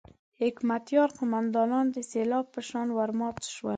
حکمتیار قوماندانان د سېلاب په شان ورمات شول.